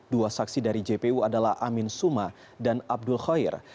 dua saksi dari jpu adalah amin suma dan abdul khair